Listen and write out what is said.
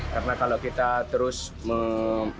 karena kalau kita terus mencari